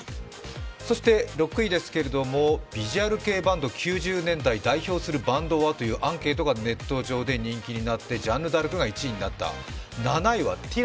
そして６位ですけれども、ヴィジュアル系バンド、人気のあるバンドはというアンケートがネット上で人気になってジャンヌダルクが１位になった。